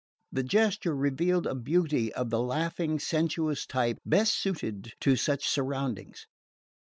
The gesture revealed a beauty of the laughing sensuous type best suited to such surroundings.